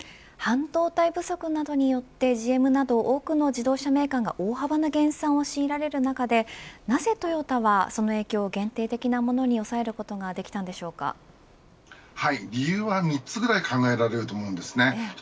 半導体不足などによってＧＭなど多くの自動車メーカーが大幅な減産を知られる中でなぜトヨタはその影響を限定的なものに抑えることが理由は３つぐらい考えられると思います。